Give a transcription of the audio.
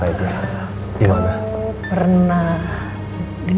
hai adiknya green